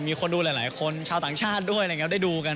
มีคนดูหลายคนชาวต่างชาติด้วยได้ดูกัน